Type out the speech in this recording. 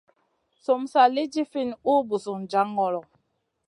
Sum sa lì ɗifinʼ ùh busun jaŋ ŋolo.